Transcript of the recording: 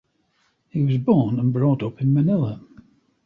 He was born and brought up in Manila.